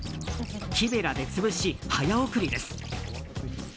木べらで潰し、早送りです。